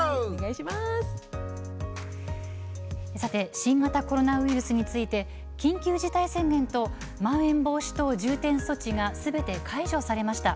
新型コロナウイルスについて、緊急事態宣言とまん延防止等重点措置がすべて解除されました。